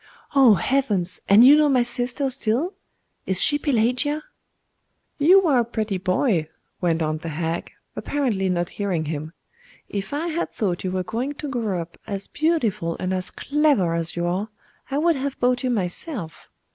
'Oh heavens! and you know my sister still! Is she Pelagia?' 'You were a pretty boy,' went on the hag, apparently not hearing him. 'If I had thought you were going to grow up as beautiful and as clever as you are, I would have bought you myself.